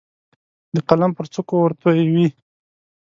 د قلم پر څوکو ورتویوي